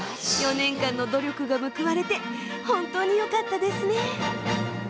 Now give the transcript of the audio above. ４年間の努力が報われて本当によかったですね。